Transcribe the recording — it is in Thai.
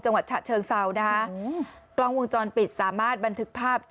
ฉะเชิงเซานะคะกล้องวงจรปิดสามารถบันทึกภาพ